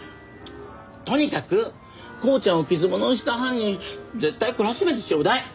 とにかくコウちゃんを傷物にした犯人絶対こらしめてちょうだい！